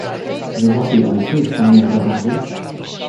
"Wyznać jej ojcu i wciągnąć do rady?"